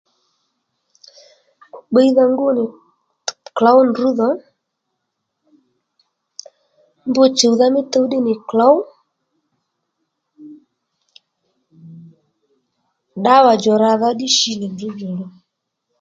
Bbiydha ngú nì klǒw ndrǔ dho, mbr chùwdha mí tuw ddí nì klǒw ddawa djò ràdha ddí shi nì ndrǔ djòluw